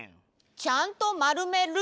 ちゃんとまるめる？